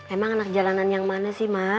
emang anak jalanan yang mana sih mas